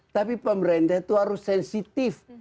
tapi pemerintah itu harus sensitif